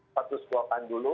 status quo kan dulu